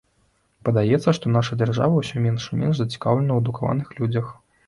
Падаецца, што наша дзяржава ўсё менш і менш зацікаўлена ў адукаваных людзях.